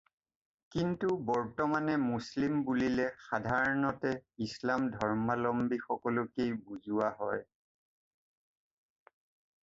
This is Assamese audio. কিন্তু বৰ্তমানে মুছলিম বুলিলে সাধাৰণতে ইছলাম ধৰ্মাৱলম্বীসকলকেই বুজোৱা হয়৷